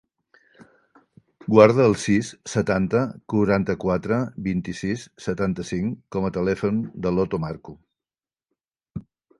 Guarda el sis, setanta, quaranta-quatre, vint-i-sis, setanta-cinc com a telèfon de l'Oto Marcu.